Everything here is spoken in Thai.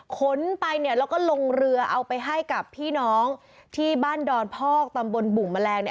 ขนไปเนี่ยแล้วก็ลงเรือเอาไปให้กับพี่น้องที่บ้านดอนพอกตำบลบุ่งแมลง